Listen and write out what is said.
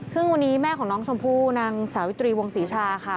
ซึ่งวันนี้แม่ของน้องชมพู่นางสาวิตรีวงศรีชาค่ะ